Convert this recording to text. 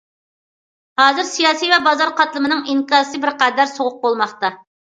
ھازىر سىياسىي ۋە بازار قاتلىمىنىڭ ئىنكاسى بىرقەدەر« سوغۇق» بولماقتا.